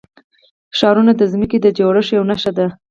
ښارونه د ځمکې د جوړښت یوه نښه ده.